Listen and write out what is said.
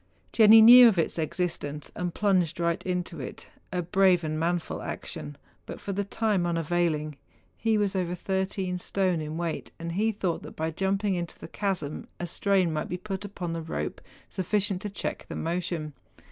Jenni knew of its exist¬ ence, and plunged right into it — a brave and manful action, but for the time unavailing. He was over thirteen stone in weight, and he thought that by jumping into the chasm a strain might be put upon the rope sufficient to check the motion.